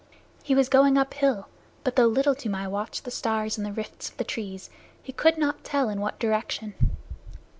He was going uphill, but though Little Toomai watched the stars in the rifts of the trees, he could not tell in what direction.